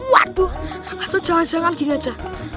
waduh aku jangan jangan gini aja